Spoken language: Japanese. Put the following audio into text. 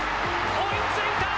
追いついた。